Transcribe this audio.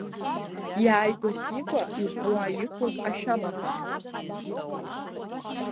Иааигәа-сигәа иҳәуа иқәын ашьамаҟа.